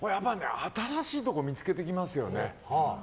新しいところ見つけてきますよね。